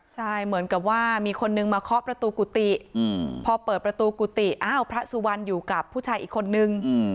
ใช่เหมือนกับว่ามีคนนึงมาเคาะประตูกุฏิพอเปิดประตูกุฏิอ้าวพระสุวรรณอยู่กับผู้ชายอีกคนนึง